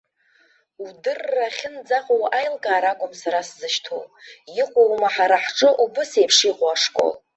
Удырра ахьынӡаҟоу аилкаара акәым сара сзышьҭоу, иҟоума ҳара хҿы убыс еиԥш иҟоу ашкол?